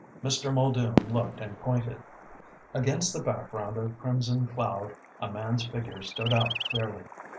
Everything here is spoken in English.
Mr. Muldoon looked and pointed. Against the background of crimson cloud a man's figure stood out clearly.